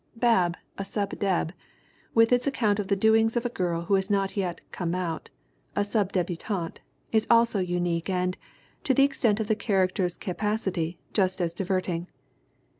Bab, a Sub Deb, with its account of the doings 01 a girl who has not yet "come out," a sub debutante, is also unique and, to the extent of the character's capac ity, just as diverting.